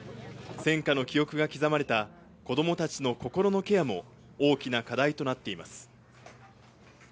戦火の記憶が刻まれた子供たちの心のケアも大きな課題となっています。